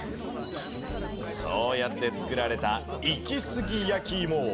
そうやって作られたいきすぎ焼きいも。